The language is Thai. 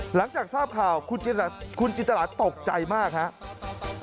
หลังจากทราบข่าวคุณจินตราตกใจมากครับ